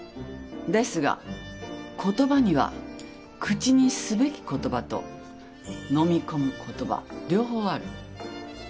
ですが言葉には口にすべき言葉とのみ込む言葉両方ある。